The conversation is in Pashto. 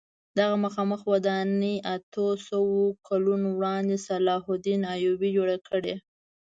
دغه مخامخ ودانۍ اتو سوو کلونو وړاندې صلاح الدین ایوبي جوړه کړې.